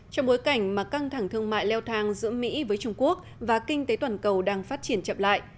trong bối cảnh mà căng thẳng thương mại leo thang giữa mỹ với trung quốc và kinh tế toàn cầu đang phát triển chậm lại